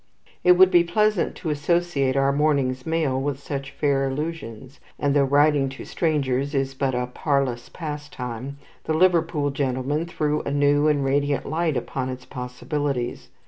It would be pleasant to associate our morning's mail with such fair illusions; and though writing to strangers is but a parlous pastime, the Liverpool gentleman threw a new and radiant light upon its possibilities.